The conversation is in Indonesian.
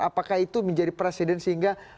apakah itu menjadi presiden sehingga